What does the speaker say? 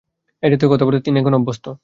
এ জাতীয় কথাবার্তায় তিনি এখন অভ্যস্ত।